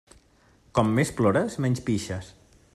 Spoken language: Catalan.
Com més plores, menys pixes.